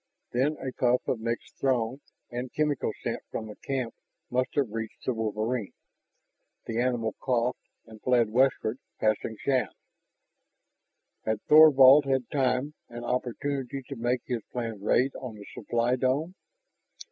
Then a puff of mixed Throng and chemical scent from the camp must have reached the wolverine. The animal coughed and fled westward, passing Shann. Had Thorvald had time and opportunity to make his planned raid on the supply dome?